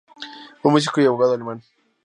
Fue un músico y abogado alemán.